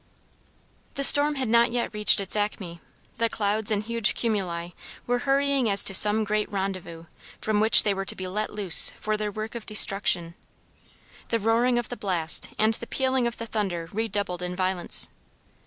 The storm had not yet reached its acme. The clouds, in huge cumuli, were hurrying as to some great rendezvous, from which they were to be let loose for their work of destruction. The roaring of the blast and the pealing of the thunder redoubled in violence.